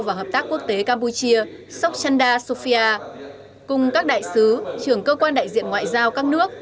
và hợp tác quốc tế campuchia sok chanda sophia cùng các đại sứ trưởng cơ quan đại diện ngoại giao các nước